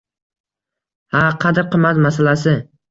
— Ha, qadr-qimmat masalasi.